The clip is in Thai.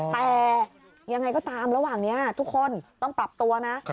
แต่ยังไงก็ตามระหว่างนี้ทุกคนต้องปรับตัวนะ